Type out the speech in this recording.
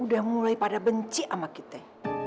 udah mulai pada benci sama kita